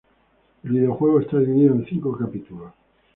El videojuego está dividido en cinco capítulos.